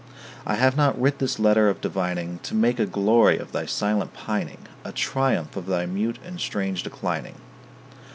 I have not writ this letter of divining To make a glory of thy silent pining, A triumph of thy mute and strange declining.